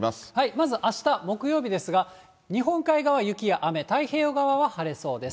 まずあした木曜日ですが、日本海側、雪や雨、太平洋側は晴れそうです。